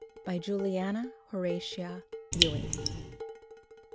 BY JULIANA HORATIA EWING.